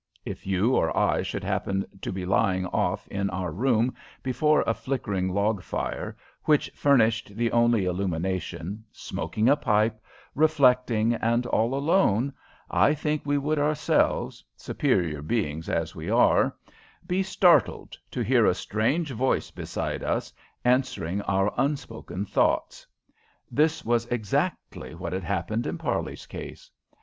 If you or I should happen to be lying off in our room before a flickering log fire, which furnished the only illumination, smoking a pipe, reflecting, and all alone, I think we would ourselves, superior beings as we are, be startled to hear a strange voice beside us answering our unspoken thoughts. This was exactly what had happened in Parley's case.